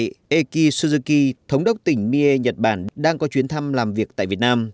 trước ngày eki suzuki thống đốc tỉnh mie nhật bản đang có chuyến thăm làm việc tại việt nam